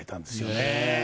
ねえ。